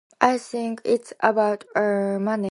I think it's about, uh, money,